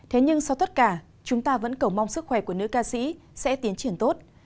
thế nhưng sau tất cả chúng ta vẫn cầu mong sức khỏe của nữ ca sĩ sẽ tiến triển tốt